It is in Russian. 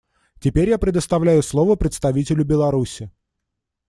Теперь я предоставляю слово представителю Беларуси.